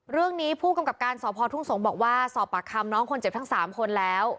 เรื่องนี้ผู้กำกับการสพทุ่งสงศ์บอกว่าสอบปากคำน้องคนเจ็บทั้ง๓คนแล้ว